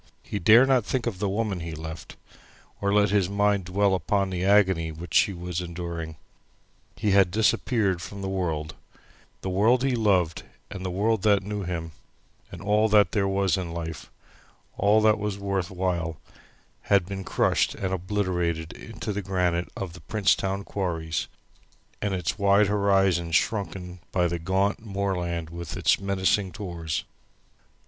He dare not think of the woman he left, or let his mind dwell upon the agony which she was enduring. He had disappeared from the world, the world he loved, and the world that knew him, and all that there was in life; all that was worth while had been crushed and obliterated into the granite of the Princetown quarries, and its wide horizon shrunken by the gaunt moorland with its menacing tors.